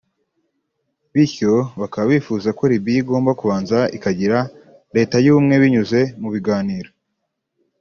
bityo bakaba bifuza ko Libya igomba kubanza ikagira leta y’ubumwe binyuze mu biganiro